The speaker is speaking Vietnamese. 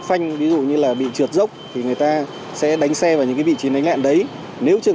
phanh ví dụ như là bị trượt dốc thì người ta sẽ đánh xe vào những vị trí lánh nạn đấy nếu trường